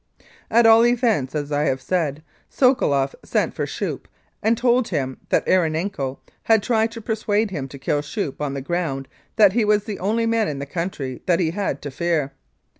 At all events, as I have said, Sokoloff sent for Schoeppe and told him that Erenenko had tried to persuade him to kill Schoeppe on the ground that he was the only man in the country that he had to fear.